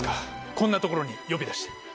こんな所に呼び出して。